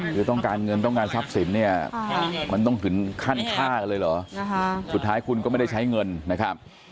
คือต้องการเงินต้องการทรัพย์สินเนี่ยมันต้องถึงขั้นฆ่ากันเลยเหรอสุดท้ายคุณก็ไม่ได้ใช้เงินนะครับ